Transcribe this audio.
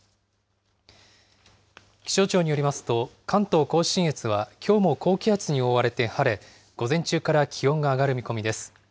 気象庁によりますと、関東甲信越はきょうも高気圧に覆われて晴れ、午前中から気温が上がる見込みです。